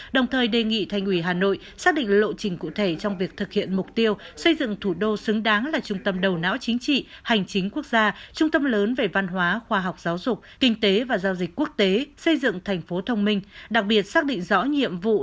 đồng thời đề nghị thành ủy hà nội xác định lộ trình cụ thể trong việc thực hiện mục tiêu xây dựng thủ đô xứng đáng là trung tâm đầu não chính trị hành chính quốc gia trung tâm lớn về văn hóa khoa học giáo dục kinh tế và giao dịch quốc tế xây dựng thành phố thông minh